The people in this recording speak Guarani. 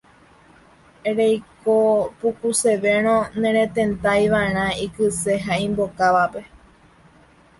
Reiko pukusérõ neretentaiva'erã ikyse ha imbokávape.